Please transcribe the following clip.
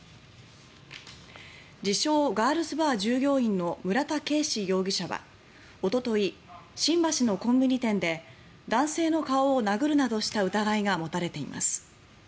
自称・ガールズバー従業員の村田圭司容疑者はおととい新橋のコンビニ店で男性の顔を殴るなどした疑いが持たれています。